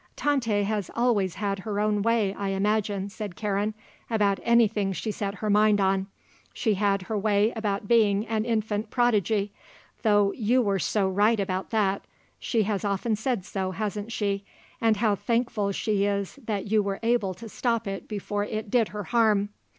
"Tante has always had her own way, I imagine," said Karen, "about anything she set her mind on. She had her way about being an infant prodigy; though you were so right about that she has often said so, hasn't she, and how thankful she is that you were able to stop it before it did her harm.